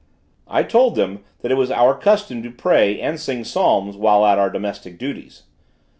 I told them that it was our custom to pray and sing psalms, while at our domestic duties.